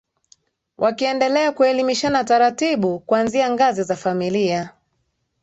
wakiendelea kuelimishana taratibu kuanzia ngazi za familia